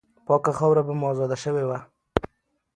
پاکه خاوره به مو آزاده سوې وه.